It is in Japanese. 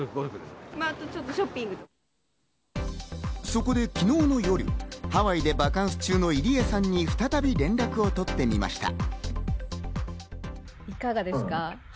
そこで昨日の夜、ハワイでバカンス中の入江さんに再び連絡を取ってみました。